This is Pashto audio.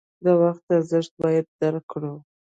د وخت ارزښت باید درک کړو.